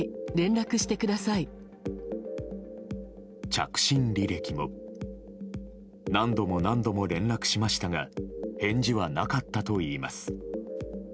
着信履歴も何度も何度も連絡しましたが返事はなかったといいます。